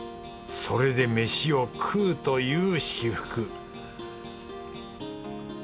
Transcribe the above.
それで飯を食うという至福